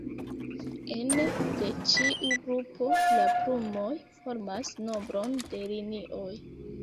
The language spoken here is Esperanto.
Ene de ĉiu grupo, la plumoj formas nombron de linioj.